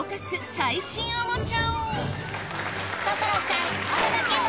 最新のおもちゃ。